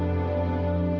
ayang kamu mau ke mana